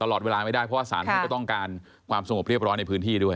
ตลอดเวลาไม่ได้เพราะว่าสารท่านก็ต้องการความสงบเรียบร้อยในพื้นที่ด้วย